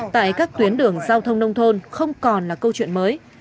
tại các tuyến đường giao thông nông thôn không còn là câu chuyện mới